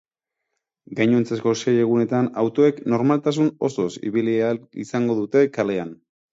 Gainontzeko sei egunetan autoek normaltasun osoz ibili ahal izango dute kalean.